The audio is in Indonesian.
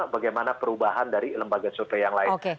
bagaimana perubahan dari lembaga survei yang lain